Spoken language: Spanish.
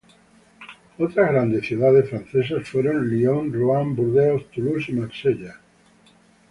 Otras grandes ciudades francesas fueron Lyon, Ruan, Burdeos, Toulouse y Marsella.